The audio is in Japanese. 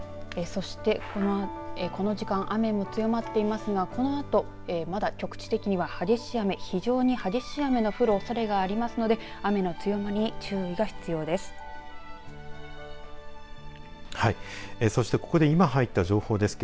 そして、この時間雨も強まっていますが、このあとまだ、局地的には激しい雨非常に激しい雨の降るおそれがありますので雨の強まりに注意が必要です。